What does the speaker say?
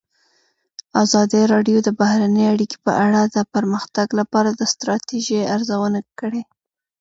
ازادي راډیو د بهرنۍ اړیکې په اړه د پرمختګ لپاره د ستراتیژۍ ارزونه کړې.